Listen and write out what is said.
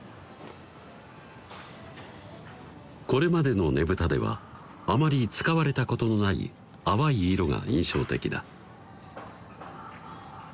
これまでのねぶたではあまり使われたことのない淡い色が印象的だ